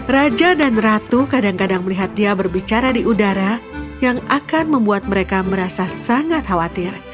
raja dan ratu kadang kadang melihat dia berbicara di udara yang akan membuat mereka merasa sangat khawatir